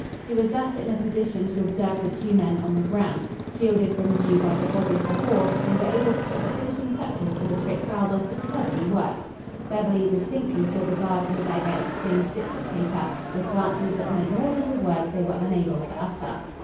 She was thus in a position to observe the two men on the ground. Shielded from view by the body of the horse, they were able to put the finishing touches to the trick Baldos had cleverly worked. Beverly distinctly saw the guard and the beggar exchange bits of paper, with glances that meant more than the words they were unable to utter.